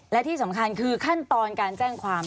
และที่สำคัญคือขั้นตอนการแจ้งความ